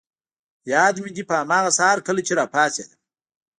یاد مي دي، په هماغه سهار کله چي راپاڅېدم.